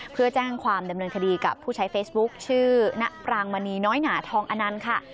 เพื่อแจ้งความดำเนินคดีกับผู้ใช้เฟซบุ๊คชื่อณปรางมณีน้อยหนาทองอนันต์ค่ะ